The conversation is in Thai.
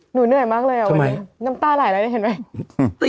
หนูเหนื่อยมากเลยวันนี้น้ำตาหลายเรื่อยถึงเท่าไหร่